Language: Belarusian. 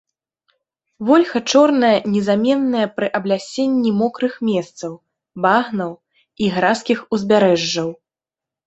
Вольха чорная незаменная пры аблясенні мокрых месцаў, багнаў і гразкіх узбярэжжаў.